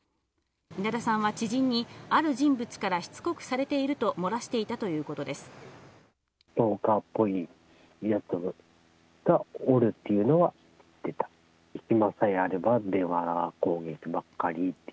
稲田さんは知人に、ある人物からしつこくされていると漏らしていたということです。